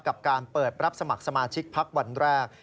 กับการเปิดรับสมัครสมาชิกพักวันแรก